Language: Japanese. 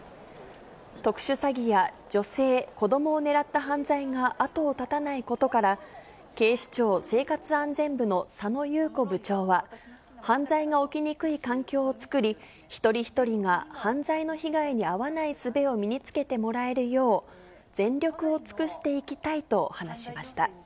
特殊詐欺や女性、子どもをねらった犯罪が後を絶たないことから、警視庁生活安全部の佐野裕子部長は、犯罪が起きにくい環境を作り、一人一人が犯罪の被害に遭わないすべを身につけてもらえるよう、健康診断？